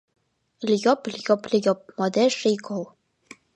Льоп-льоп-льоп — модеш шийгол.